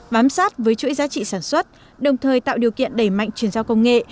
bám sát với chuỗi giá trị sản xuất đồng thời tạo điều kiện đẩy mạnh chuyển giao công nghệ